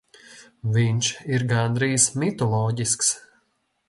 Viņš ir gandrīz mitoloģisks.